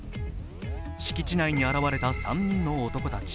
敷地内に現れた３人の男たち。